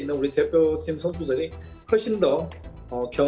sehingga tim pemain yang kita miliki sekarang